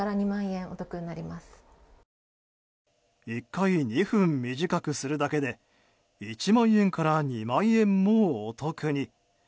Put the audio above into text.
１回２分短くするだけで１万円から２万円もお得に。